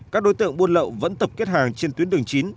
các đối tượng buôn lậu vẫn tập kết hàng trên tuyến đường chín